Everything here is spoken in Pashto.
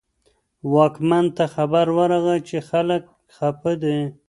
واکمن ته خبر ورغی چې خلک خپه دي.